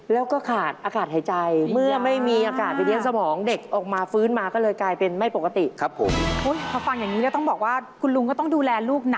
แล้วเราก็มีจักรยาน